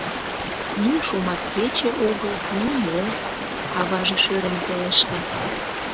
Ни шуматкече огыл, ни мо! — аваже шӧрен пелешта.